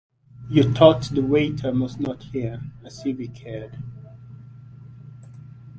You thought the waiter must not hear, as if he cared!